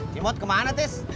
cimut kemana tes